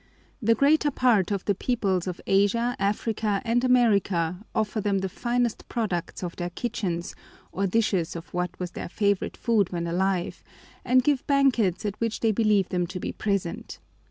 The greater part of the peoples of Asia, Africa, and America offer them the finest products of their kitchens or dishes of what was their favorite food when alive, and give banquets at which they believe them to be present.